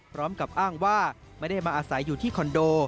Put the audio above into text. พร้อมกับอ้างว่าไม่ได้มาอาศัยอยู่ที่คอนโด